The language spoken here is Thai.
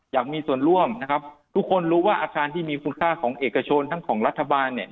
อยากมีส่วนร่วมนะครับทุกคนรู้ว่าอาคารที่มีคุณค่าของเอกชนทั้งของรัฐบาลเนี่ย